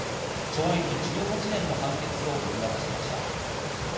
懲役１８年の判決を言い渡しました。